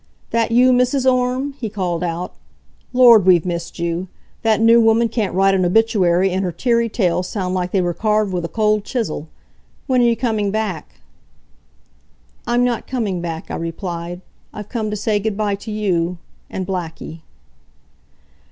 "That you, Mrs. Orme?" he called out. "Lord, we've missed you! That new woman can't write an obituary, and her teary tales sound like they were carved with a cold chisel. When are you coming back?" "I'm not coming back," I replied. "I've come to say good by to you and Blackie."